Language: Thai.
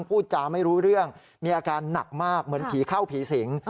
พูดจาไม่รู้เรื่องมีอาการหนักมากเหมือนผีเข้าผีสิง